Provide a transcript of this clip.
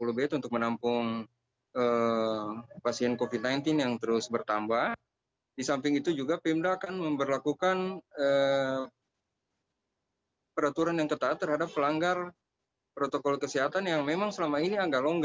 langkah yang akan dilakukan pemerintah ketika rumah sakit rumah sakit itu penuh